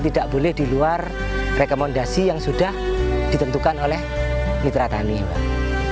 tidak boleh di luar rekomendasi yang sudah ditentukan oleh mitra tani mbak